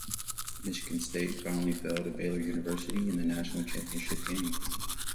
Michigan State finally fell to Baylor University in the National Championship game.